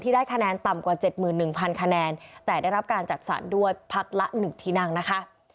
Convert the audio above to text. ได้คะแนนต่ำกว่า๗๑๐๐คะแนนแต่ได้รับการจัดสรรด้วยพักละ๑ที่นั่งนะคะ